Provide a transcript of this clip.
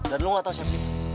dan lu gak tau siapa ini